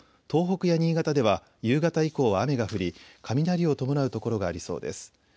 東北や新潟では夕方以降、雨が降り雷を伴う所がありそうです。